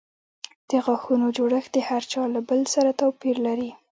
د غاښونو جوړښت د هر چا له بل سره توپیر لري.